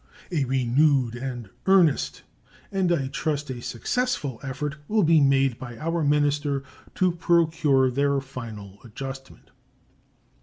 A renewed and earnest, and I trust a successful, effort will be made by our minister to procure their final adjustment.